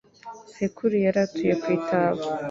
sekuru yari atuye ku Itaba: